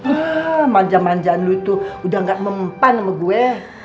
ah manja manjaan lu itu udah gak mempan sama gue